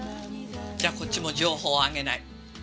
じゃあこっちも情報あげない。